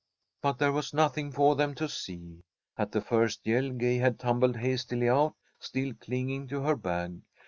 But there was nothing for them to see. At the first yell, Gay had tumbled hastily out, still clinging to her bag.